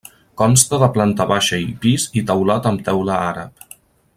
Consta de planta baixa i pis i teulat amb teula àrab.